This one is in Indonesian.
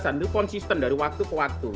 itu konsisten dari waktu ke waktu